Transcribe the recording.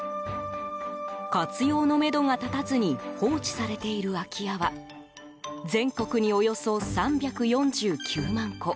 活用のめどが立たずに放置されている空き家は全国におよそ３４９万戸。